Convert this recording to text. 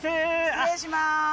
失礼します。